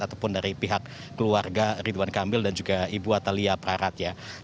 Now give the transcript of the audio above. ataupun dari pihak keluarga ridwan kamil dan juga ibu atalia praratya